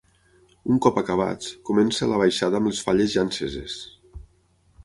Un cop acabats, comença la baixada amb les falles ja enceses.